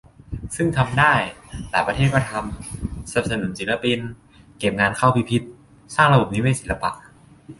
ซึ่งทำได้ หลายประเทศก็ทำ สนับสนุนศิลปิน เก็บงานเข้าพิพิธ สร้างระบบนิเวศศิลปะ